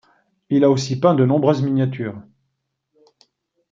Il a aussi peint de nombreuses miniatures.